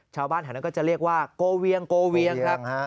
ชาวบ้านฐานก็จะเรียกว่ากโกเวียงครับ